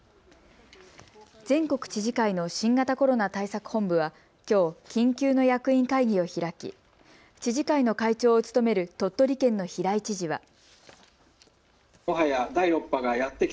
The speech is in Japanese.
全国知事会の新型コロナ対策本部はきょう、緊急の役員会議を開き知事会の会長を務める鳥取県の平井知事は。